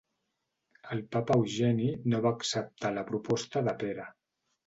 El papa Eugeni no va acceptar la proposta de Pere.